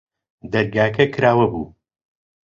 دەرگاکە کراوە بوو.